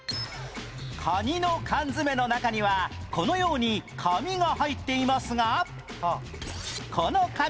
カニの缶詰の中にはこのように紙が入っていますが